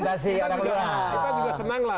kita juga senang lah